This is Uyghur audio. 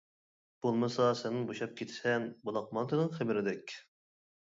بولمىسا سەنمۇ بوشاپ كىتىسەن بولاق مانتىنىڭ خېمىرىدەك.